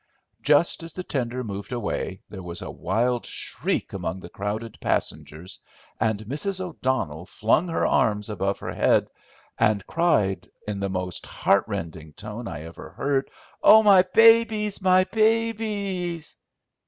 Just as the tender moved away, there was a wild shriek among the crowded passengers, and Mrs. O'Donnell flung her arms above her head and cried in the most heart rending tone I ever heard—"Oh, my babies, my babies."